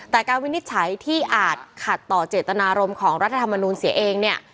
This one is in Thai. แต่การวินิจฉัยที่อาจขัดต่อเจตนารมณ์ของรัฐธรรมนูลเสียเองเนี่ย